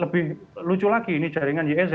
lebih lucu lagi ini jaringan usg